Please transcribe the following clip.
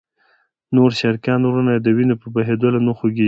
نور شرقیان وروڼه یې د وینو په بهېدلو نه خوږېږي.